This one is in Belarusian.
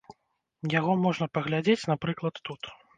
Яго можна паглядзець, напрыклад, тут.